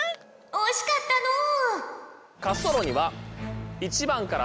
おしかったのう。